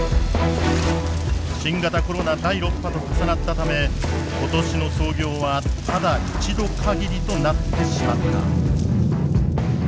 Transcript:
新型コロナ第６波と重なったため今年の操業はただ１度かぎりとなってしまった。